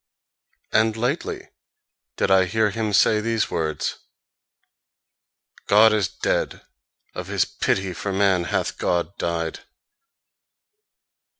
And lately did I hear him say these words: "God is dead: of his pity for man hath God died."